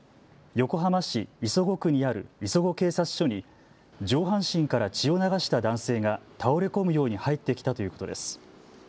横浜市磯子区にある磯子警察署に上半身から血を流した男性が倒れ込むように入ってきたということです。